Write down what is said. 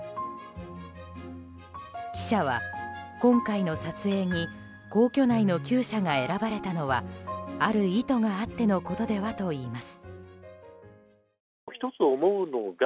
記者は、今回の撮影に皇居内の厩舎が選ばれたのはある意図があってのことではといいます。